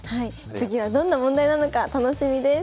次はどんな問題なのか楽しみです。